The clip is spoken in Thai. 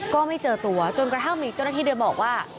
ก็ไม่เจอตัวจนกระทั่งมีเจ้าหน้าที่เดินบอกว่า